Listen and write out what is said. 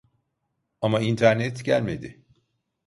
Ama internet gelmedi